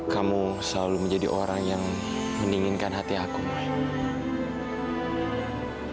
kamu selalu menjadi orang yang mendinginkan hati aku mas